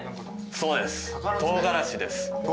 そうです唐辛子です。